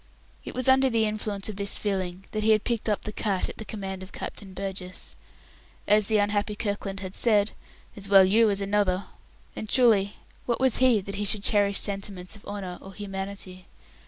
It was under the influence of this feeling that he had picked up the cat at the command of Captain Burgess. As the unhappy Kirkland had said, "As well you as another"; and truly, what was he that he should cherish sentiments of honour or humanity?